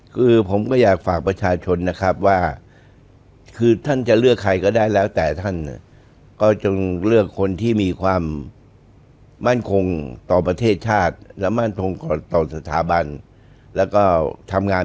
การหาเสียงเลือกตั้งอยู่นั้นไหม